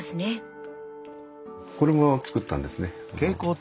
これも作ったんですね